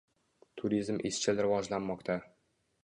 Turizm izchil rivojlanmoqda